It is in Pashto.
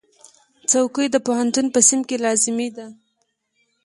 چوکۍ د پوهنتون په صنف کې لازمي ده.